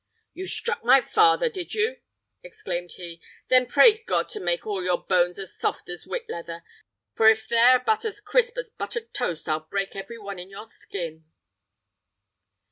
"You struck my father, did you?" exclaimed he; "then pray God to make all your bones as soft as whit leather, for if they're but as crisp as buttered toast, I'll break every one in your skin!"